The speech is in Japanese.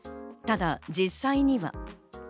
ただ実際には。